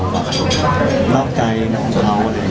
รอกใจนอกจากเรา